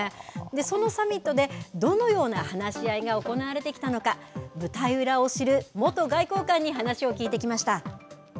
そのサミットで、どのような話し合いが行われてきたのか、舞台裏を知る元外交官に話を聞いてきました。